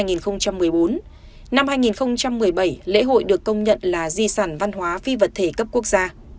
năm hai nghìn một mươi bảy lễ hội được công nhận là di sản văn hóa phi vật thể cấp quốc gia